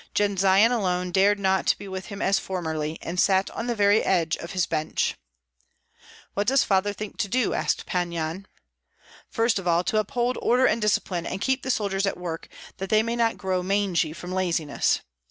Jendzian alone dared not be with him as formerly, and sat on the very edge of his bench. "What does father think to do?" asked Pan Yan. "First of all to uphold order and discipline, and keep the soldiers at work, that they may not grow mangy from laziness.